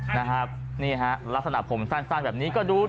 นะฮะนี่ฮะฮ่ะผมสั้นสั้นแบบนี้ก็ดู